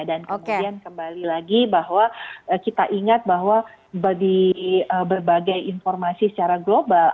dan kemudian kembali lagi bahwa kita ingat bahwa berbagai informasi secara global